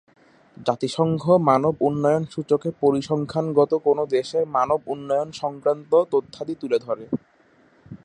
জাতিসংঘ মানব উন্নয়ন সূচকে পরিসংখ্যানগতভাবে কোন দেশের মানব উন্নয়ন সংক্রান্ত তথ্যাদি তুলে ধরে।